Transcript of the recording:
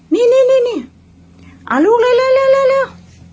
นี่นี่นี่นี่อ่าลูกเร็วเร็วเร็วเร็ว